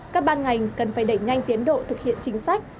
các ban ngành cần phải đẩy nhanh tiến độ thực hiện chính sách